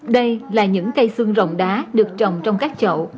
đây là những cây xương rộng đá được trồng trong các chậu